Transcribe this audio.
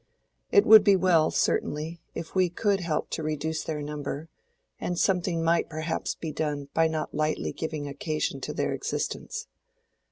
It would be well, certainly, if we could help to reduce their number, and something might perhaps be done by not lightly giving occasion to their existence.